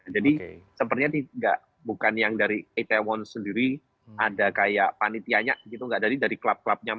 jadi sepertinya bukan yang dari itaewon sendiri ada kayak panitia